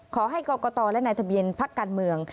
ขอให้กรกตและนายภักดิ์เย็นภักดิ์การเมือง